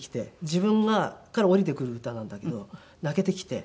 自分から降りてくる歌なんだけど泣けてきて。